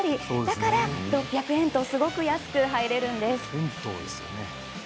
だから６００円とすごく安く入れるんです。